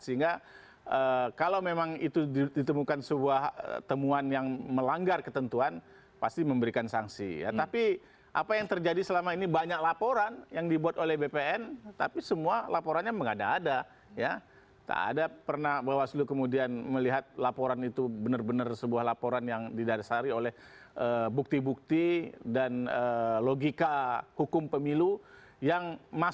ini kan serangan pajar ini kan atas pengakuannya siapa